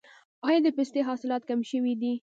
آیا د پستې حاصلات کم شوي دي؟